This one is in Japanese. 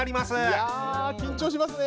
いや緊張しますね。